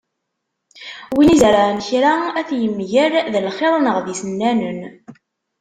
Win izerεen kra ad t-yemger, d lxir neɣ d isennanan.